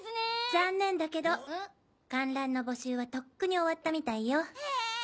残念だけど観覧の募集はとっくに終わったみたいよ。え！